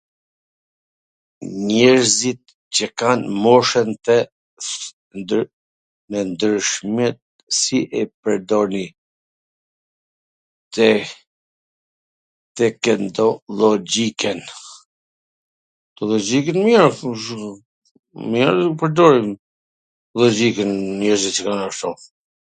Njerzit qw kan moshwn e ndryshme si e pqwrdorin te-kno---llogjiken? Teknollogjikwn mir e ashushu... mir e pwrdorin... llogjikwn njerzit qw kan ashu...